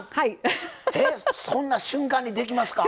そんな瞬間にできますか。